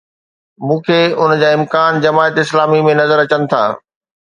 مون کي ان جا امڪان جماعت اسلامي ۾ نظر اچن ٿا.